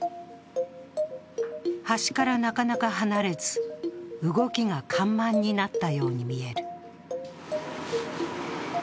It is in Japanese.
端からなかなか離れず、動きが緩慢になったように見える。